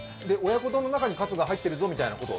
親子丼の中にカツが入っているみたいなこと？